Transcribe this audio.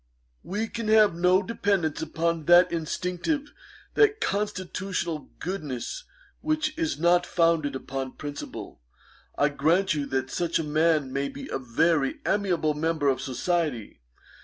'We can have no dependance upon that instinctive, that constitutional goodness which is not founded upon principle. I grant you that such a man may be a very amiable member of society.